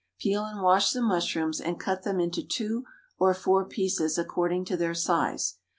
Peel and wash the mushrooms, and cut them into 2 or 4 pieces, according to their size.